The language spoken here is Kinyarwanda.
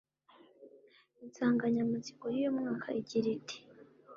Insanganyamatsiko y’uyu mwaka igira iti'